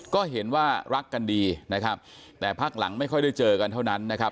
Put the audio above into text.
ก็เห็นว่ารักกันดีนะครับแต่พักหลังไม่ค่อยได้เจอกันเท่านั้นนะครับ